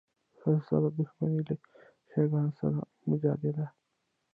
له ښځو سره دښمني، له شیعه ګانو سره مجادله.